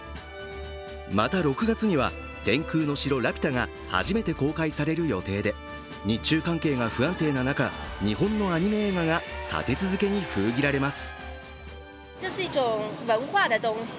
また、６月には「天空の城ラピュタ」が初めて公開される予定で日中関係が不安定な中、日本のアニメ映画が立て続けに封切られます。